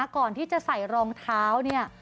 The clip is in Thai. ก่อนที่จะใส่รองเท้าเนี่ย